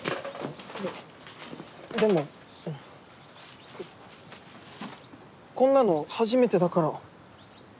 あのでもそのここんなの初めてだから。